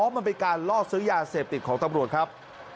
มันเป็นการล่อซื้อยาเสพติดของตำรวจครับ